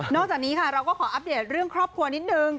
จากนี้ค่ะเราก็ขออัปเดตเรื่องครอบครัวนิดนึง